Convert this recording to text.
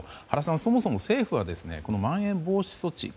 原さん、そもそも政府はまん延防止措置